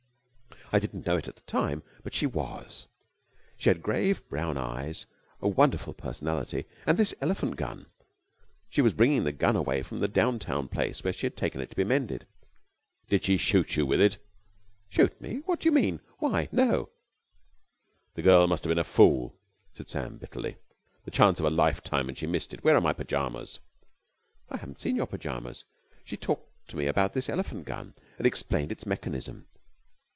"I didn't know it at the time, but she was. She had grave brown eyes, a wonderful personality, and this elephant gun. She was bringing the gun away from the down town place where she had taken it to be mended." "Did she shoot you with it?" "Shoot me? What do you mean? Why, no!" "The girl must have been a fool!" said Sam bitterly. "The chance of a life time and she missed it. Where are my pyjamas?" "I haven't seen your pyjamas. She talked to me about this elephant gun, and explained its mechanism.